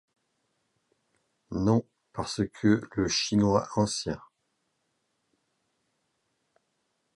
Non parce que le chinois ancien.